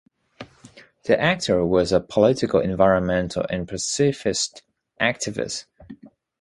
The actor was a political, environmental and pacifist activist.